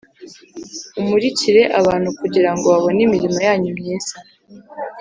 Umurikire abantu kugira ngo babone imirimo yanyu myiza